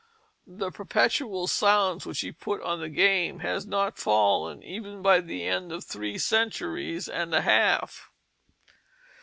The "perpetuall silence" which he put on the game has not fallen even by the end of three centuries and a half.